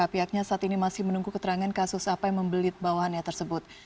pihaknya saat ini masih menunggu keterangan kasus apa yang membelit bawahannya tersebut